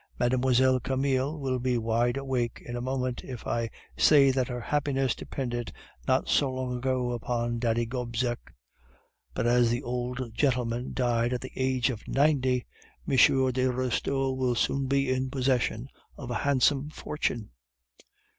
"Mademoiselle Camille will be wide awake in a moment if I say that her happiness depended not so long ago upon Daddy Gobseck; but as the old gentleman died at the age of ninety, M. de Restaud will soon be in possession of a handsome fortune.